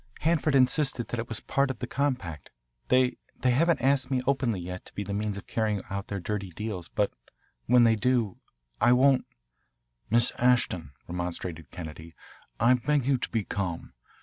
"Hanford insisted that it was part of the compact. They they haven't asked me openly yet to be the means of carrying out their dirty deals, but when they do, I won't " "Miss Ashton," remonstrated Kennedy, "I beg you to be calm.